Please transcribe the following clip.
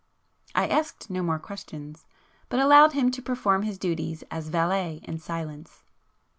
I asked no more questions, but allowed him to perform his duties as valet in silence.